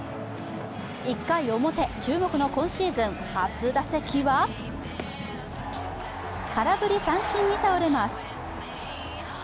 １回表、注目の今シーズン初打席は空振り三振に倒れます。